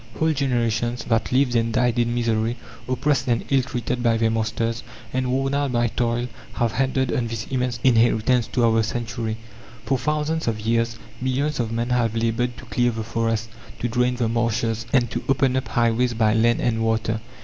Whole generations, that lived and died in misery, oppressed and ill treated by their masters, and worn out by toil, have handed on this immense inheritance to our century. For thousands of years millions of men have laboured to clear the forests, to drain the marshes, and to open up highways by land and water.